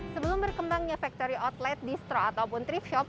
sebelum berkembangnya factory outlet distro ataupun trip shop